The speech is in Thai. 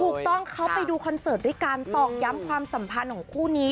ถูกต้องเขาไปดูคอนเสิร์ตด้วยการตอกย้ำความสัมพันธ์ของคู่นี้